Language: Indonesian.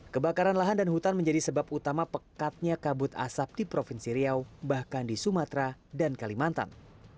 kebakaran lahan dan hutan menjadi sebab utama pekatnya kabut asap di provinsi riau bahkan di sumatera dan kalimantan